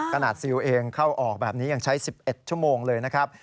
ขนาดซิลเองเข้าออกแบบนี้ยังใช้๑๑ชั่วโมงเลยนะครับ